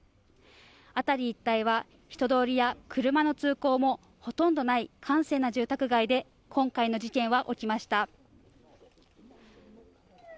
辺り一帯は人通りや車の通行もほとんどない閑静な住宅街で今回の事件は起きました。